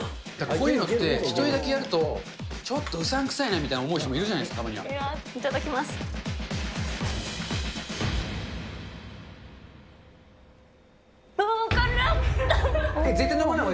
こういうのって、１人だけやると、ちょっとうさんくさいなみたいに思う人いるじゃないですか、たまには。